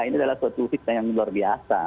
ini adalah suatu fitnah yang luar biasa